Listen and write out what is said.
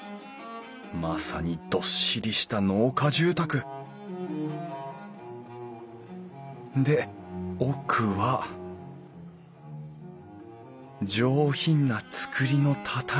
まさにどっしりした農家住宅で奥は上品な作りの畳敷き。